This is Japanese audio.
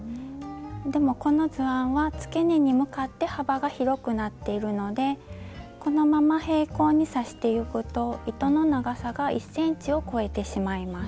でもこの図案は付け根に向かって幅が広くなっているのでこのまま平行に刺してゆくと糸の長さが１ｃｍを超えてしまいます。